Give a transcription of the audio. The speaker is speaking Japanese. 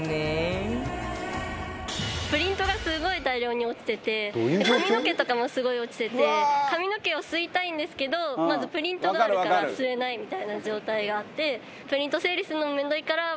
プリントがすごい大量に落ちてて髪の毛とかもすごい落ちてて髪の毛を吸いたいんですけどまずプリントがあるから吸えないみたいな状態があって。